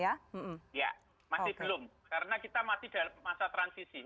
ya masih belum karena kita masih dalam masa transisi